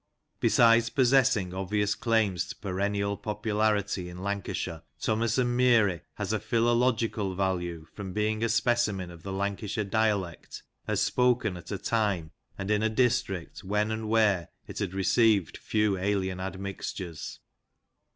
Besides possessing obvious claims to perennial popularity in Lancashire, Ttnnmiis and Meary has a philological value from being a specimen of the Lan cashire dialect as spoken at a time and in a district when and where it had received few alien admixtures.